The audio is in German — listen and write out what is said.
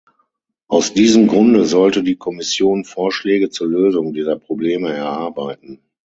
Aus diesem Grunde sollte die Kommission Vorschläge zur Lösung dieser Probleme erarbeiten.